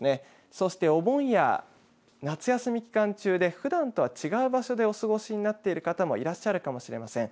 そしてお盆や夏休み期間中でふだんとは違う場所でお過ごしになっている方もいらっしゃるかもしれません。